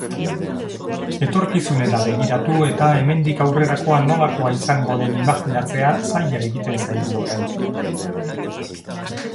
Etorkizunera begiratu eta hemendik aurrerakoa nolakoa izango den imajinatzea zaila egiten zaigu orain.